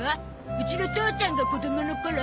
うちの父ちゃんが子供の頃。